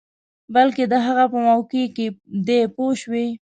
بلکې د هغه په موقع کې دی پوه شوې!.